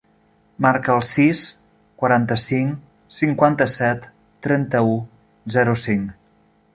Marca el sis, quaranta-cinc, cinquanta-set, trenta-u, zero, cinc.